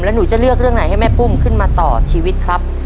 แล้วหนูจะเลือกเรื่องไหนให้แม่ปุ้มขึ้นมาต่อชีวิตครับ